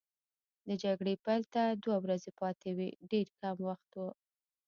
د جګړې پیل ته دوه ورځې پاتې وې، ډېر کم وخت وو.